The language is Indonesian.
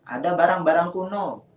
ada barang barang kuno